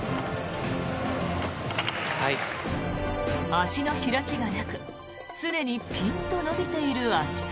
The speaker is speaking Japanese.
足の開きがなく常にピンと伸びている足先。